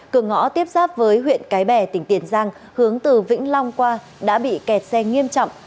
cửa ngõ tiếp giáp với huyện cái bè tỉnh tiền giang hướng từ vĩnh long qua đã bị kẹt xe nghiêm trọng